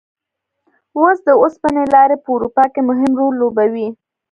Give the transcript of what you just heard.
اوس د اوسپنې لارې په اروپا کې مهم رول لوبوي.